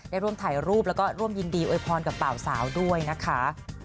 ได้ร่วมถ่ายรูปแล้วก็ร่วมยินดีโวยพรกับเบาสาวด้วยนะคะ